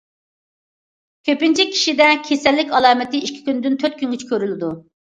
كۆپىنچە كىشىدە كېسەللىك ئالامىتى ئىككى كۈندىن تۆت كۈنگىچىلا كۆرۈلىدۇ.